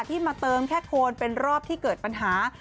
มาเติมแค่โคนเป็นรอบที่เกิดปัญหา